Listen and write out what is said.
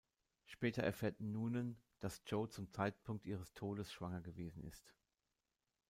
Später erfährt Noonan, dass Jo zum Zeitpunkt ihres Todes schwanger gewesen ist.